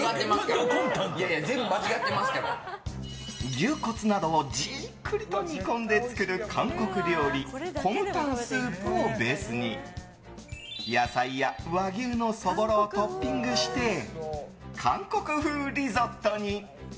牛骨などをじっくりと煮込んで作る韓国料理コムタンスープをベースに野菜や和牛のそぼろをトッピングして韓国風リゾットに。